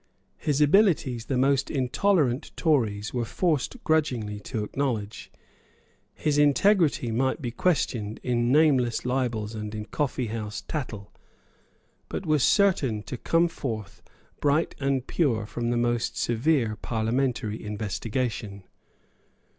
His abilities the most intolerant Tories were forced grudgingly to acknowledge. His integrity might be questioned in nameless libels and in coffeehouse tattle, but was certain to come forth bright and pure from the most severe Parliamentary investigation.